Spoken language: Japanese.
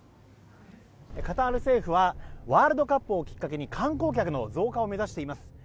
カタール政府はワールドカップをきっかけに観光客の増加を目指しています。